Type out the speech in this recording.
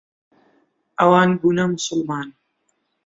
ئەوان بوونە موسڵمان.